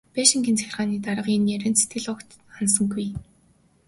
Байшингийн захиргааны дарга энэ ярианд сэтгэл огт ханасангүй.